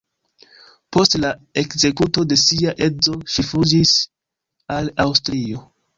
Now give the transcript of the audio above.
Post la ekzekuto de sia edzo ŝi fuĝis al Aŭstrio.